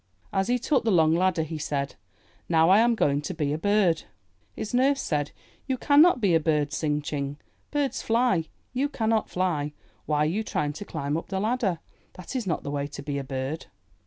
As he took the long ladder he said, *'Now I am going to be a bird.*' His nurse said, ''You can not be a bird, Tsing Ching. Birds fly. You can not fly. Why are you trying to climb up the ladder? That is not the way to be a bird."